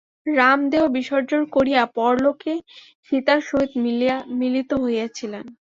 রাম দেহ বিসর্জন করিয়া পরলোকে সীতার সহিত মিলিত হইয়াছিলেন।